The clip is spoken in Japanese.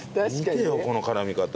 見てよこの絡み方。